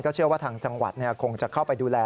เชื่อว่าทางจังหวัดคงจะเข้าไปดูแล